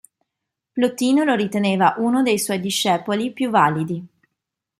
Plotino lo riteneva uno dei suoi discepoli più validi.